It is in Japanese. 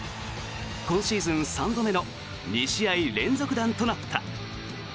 今シーズン３度目の２試合連続弾となった。